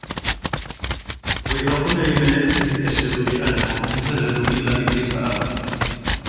وإذ قلنا للملائكة اسجدوا لآدم فسجدوا إلا إبليس أبى